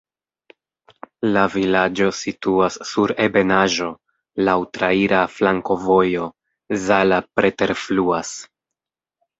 La vilaĝo situas sur ebenaĵo, laŭ traira flankovojo, Zala preterfluas.